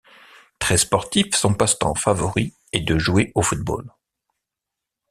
Très sportif, son passe-temps favori est de jouer au football.